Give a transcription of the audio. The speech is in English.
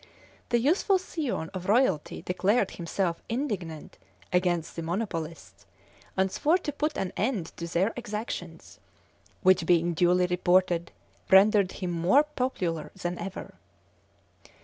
The youthful scion of royalty declared himself indignant against the monopolists, and swore to put an end to their exactions; which being duly reported, rendered him more popular than ever.